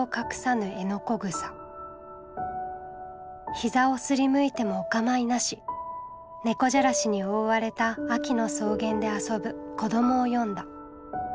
膝をすりむいてもお構いなし猫じゃらしに覆われた秋の草原で遊ぶ子どもを詠んだ。